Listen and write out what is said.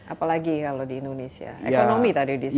apalagi kalau di indonesia ekonomi tadi di sebuah